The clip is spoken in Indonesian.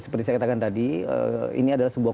seperti saya katakan tadi ini adalah sebuah